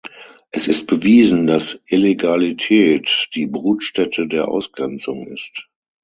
Es ist bewiesen, dass Illegalität die Brutstätte der Ausgrenzung ist.